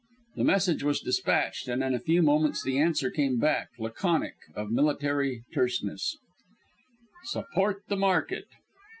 The message was despatched, and in a few moments the answer came back, laconic, of military terseness: "Support the market."